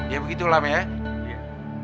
ya begitu lam ya